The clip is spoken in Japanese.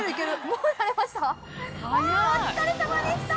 ◆もうなれました？